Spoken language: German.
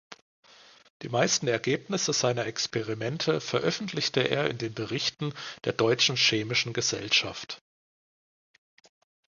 Die meisten Ergebnisse seiner Experimente veröffentlichte er in den "Berichten der Deutschen Chemischen Gesellschaft".